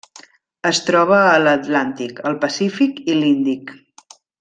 Es troba a l'Atlàntic, el Pacífic i l'Índic.